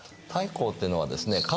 太閤っていうのはですね